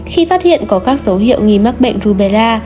khi phát hiện có các dấu hiệu nghi mắc bệnh rubella